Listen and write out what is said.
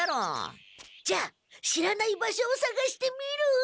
じゃあ知らない場所をさがしてみる？